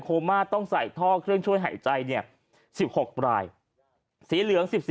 มาต้องใส่ท่อเครื่องช่วยหายใจเนี่ย๑๖รายสีเหลือง๑๔